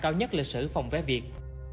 cao nhất lịch sử phòng vé việt